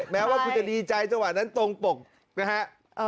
แม้ว่าคุณจะดีใจจังหวะนั้นตรงปกนะฮะ